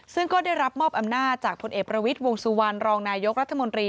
ซึ่งก็ได้รับมอบอำนาจจากพลเอกประวิทย์วงสุวรรณรองนายกรัฐมนตรี